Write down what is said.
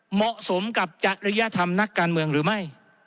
เหมาะสมกับจริยธรรมนักการเมืองหรือไม่